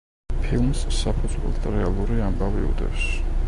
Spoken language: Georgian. ფილმს საფუძვლად რეალური ამბავი უდევს.